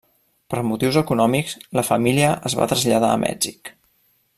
Per motius econòmics, la família es va traslladar a Mèxic.